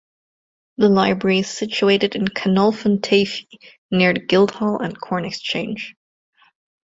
The library is situated in 'Canolfan Teifi' near the guild hall and corn exchange.